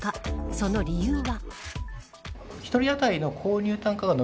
その理由は。